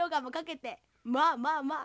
まあまあまあ。